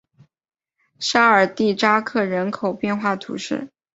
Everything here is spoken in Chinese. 沙尔蒂扎克人口变化图示